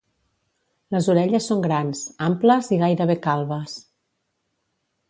Les orelles són grans, amples i gairebé calbes.